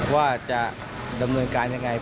ว่าจะดำเนินการยังไง